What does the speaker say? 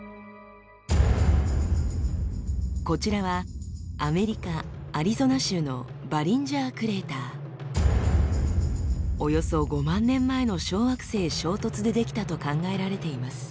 こちらはアメリカアリゾナ州のおよそ５万年前の小惑星衝突で出来たと考えられています。